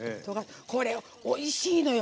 これ、おいしいのよ。